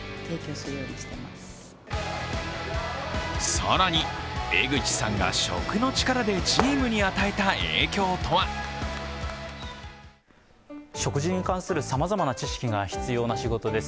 更に、江口さんが食の力でチームに与えた影響とは食事に関するさまざまな知識が必要な仕事です。